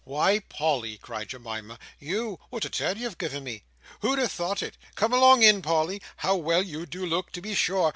"Why, Polly!" cried Jemima. "You! what a turn you have given me! who'd have thought it! come along in Polly! How well you do look to be sure!